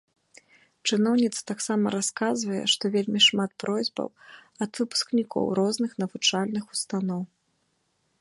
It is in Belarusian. Чыноўніца таксама расказвае, што вельмі шмат просьбаў ад выпускнікоў розных навучальных установаў.